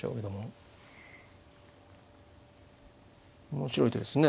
面白い手ですね。